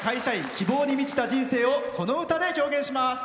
希望に満ちた人生をこの歌で表現します。